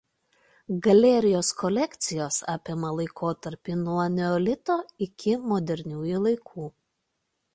Galerijos kolekcijos apima laikotarpį nuo Neolito iki modernių laikų.